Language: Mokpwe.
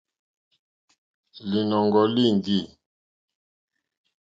Lìnɔ̀ŋɡɔ̀ líŋɡî.